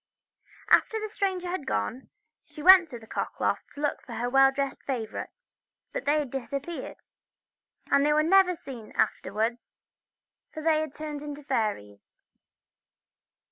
After the stranger had gone she went to the cock loft to look for her well dressed favourites, but they had disappeared, and they were never seen afterwards, for they were turned into fairies.